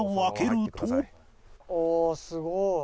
あすごい。